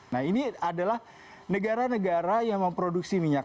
nah ini adalah negara negara yang memproduksi minyak